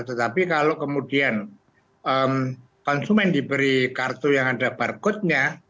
tetapi kalau kemudian konsumen diberi kartu yang ada barcode nya